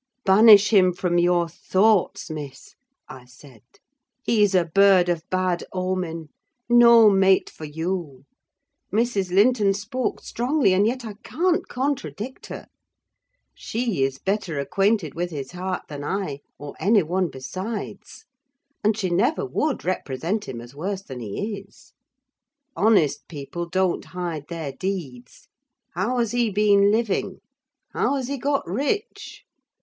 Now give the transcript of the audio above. "Banish him from your thoughts, Miss," I said. "He's a bird of bad omen: no mate for you. Mrs. Linton spoke strongly, and yet I can't contradict her. She is better acquainted with his heart than I, or any one besides; and she never would represent him as worse than he is. Honest people don't hide their deeds. How has he been living? how has he got rich?